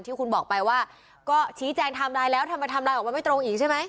ที่คุณบอกไปว่าก็ชี้แจงทำลายแล้วทำลายออกมาไม่ตรงอีกใช่ไหม